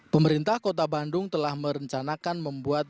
pemerintah kota bandung telah merencanakan membuat